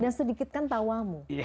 dan sedikitkan tawamu